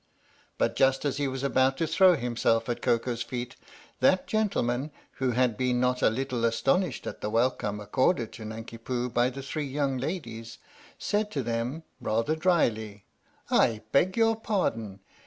But just as he was about to throw himself at Koko's feet, that gentleman, who had been not a little astonished at the welcome accorded to Nanki Poo by the three young ladies, said to them, rather drily :" I beg your pardon.